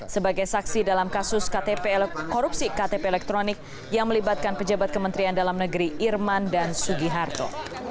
sebagai saksi dalam kasus korupsi ktp elektronik yang melibatkan pejabat kementerian dalam negeri irman dan sugiharto